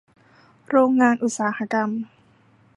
โรงงานอุตสาหกรรม